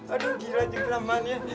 aduh gila juga ramahnya